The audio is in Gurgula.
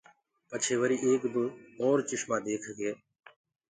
پچهي وري ايڪ دو اور چشمآ ديک ڪي۔